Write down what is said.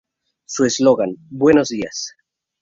Su eslogan ""Buenos días.